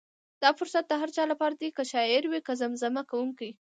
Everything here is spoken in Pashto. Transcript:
دا فرصت د هر چا لپاره دی، که شاعر وي که زمزمه کوونکی.